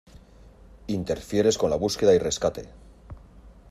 ¡ Interfieres con la búsqueda y rescate!